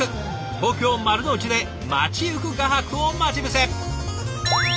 東京・丸の内で街行く画伯を待ち伏せ！